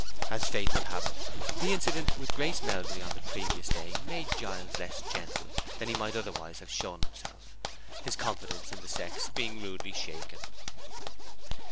As fate would have it, the incident with Grace Melbury on the previous day made Giles less gentle than he might otherwise have shown himself, his confidence in the sex being rudely shaken.